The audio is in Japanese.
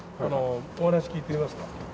お話聞いてみますか？